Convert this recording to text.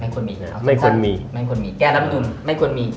แกรับหนุนไม่ควรมี